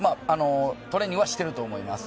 トレーニングはしていると思います。